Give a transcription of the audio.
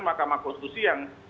mahkamah konstitusi yang